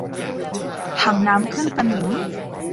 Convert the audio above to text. ถังน้ำขึ้นสนิม